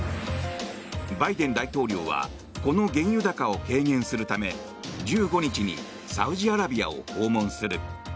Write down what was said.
バイデン大統領はこの原油高を軽減するため１５日にサウジアラビアを訪問する。